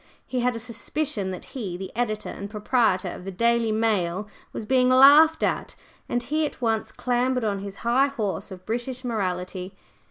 He had a suspicion that he the editor and proprietor of the Daily Dial was being laughed at, and he at once clambered on his high horse of British Morality.